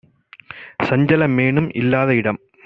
சஞ்சல மேனும்இல் லாதஇடம்